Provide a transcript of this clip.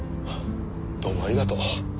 どうもありがとう。